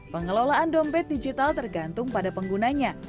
pengelolaan dompet digital tergantung pada penggunanya